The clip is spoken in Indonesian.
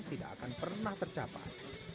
tidak akan pernah tercapai